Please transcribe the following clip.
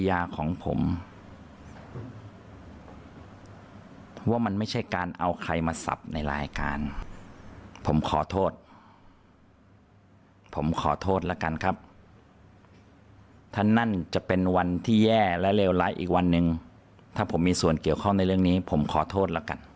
อ้าวฟังสิงห์นาเน็ตค่ะ